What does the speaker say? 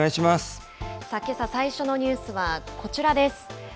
さあ、けさ最初のニュースは、こちらです。